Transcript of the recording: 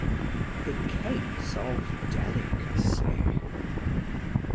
THE CASE OF DELICACY.